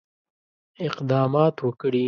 اقدامات وکړي.